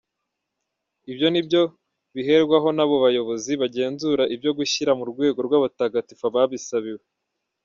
Ibyo nibyo biherwaho n’abo bayobozi bagenzura ibyo gushyira mu rwego rw’abatagatifu ababisabiwe.